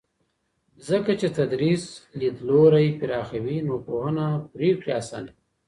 ځکه چې تدریس لیدلوری پراخوي نو پوهنه پرېکړې اسانوي.